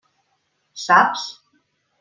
Saps?